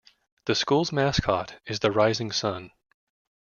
The school's mascot is the Rising Sun.